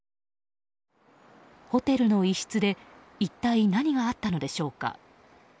ホテルの一室で一体何があったのでしょうか？